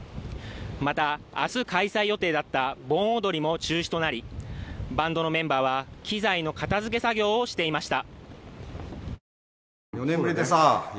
また明日開催予定だった盆踊りも中止となり、バンドのメンバーは器材の片づけ作業をしていました。